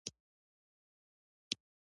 انګلیسي د متحرکو انځورونو ژبه ده